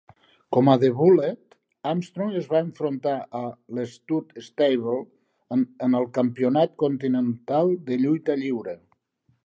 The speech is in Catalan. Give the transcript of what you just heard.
Com a "The Bullet", Armstrong es va enfrontar a l'Stud Stable en el Campionat Continental de Lluita Lliure.